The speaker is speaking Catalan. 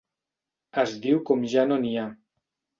Es diu com ja no n'hi ha.